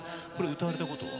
歌われたことは？